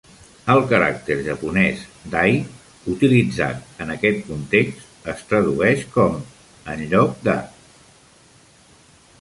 El caràcter japonès "dai" utilitzat en aquest context es tradueix com "en lloc de".